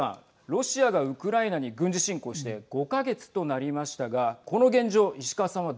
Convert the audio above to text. ロシアがウクライナに軍事侵攻して５か月となりましたがこの現状